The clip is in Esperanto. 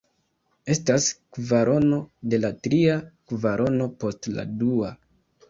Estas kvarono de la tria kvarono post la dua.